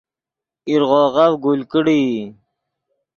ایرغوغف گل کڑیئی